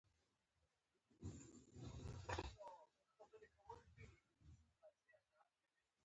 هغه څوک چې په سختو حالاتو کې مخ واړاوه.